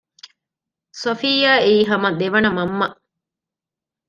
ޞަފިއްޔާ އެއީ ހަމަ ދެވަނަ މަންމަ